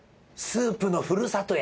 スープのふるさと。